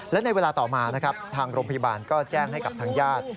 และในเวลาต่อมานะครับทางโรงพยาบาลก็แจ้งให้กับทางญาติ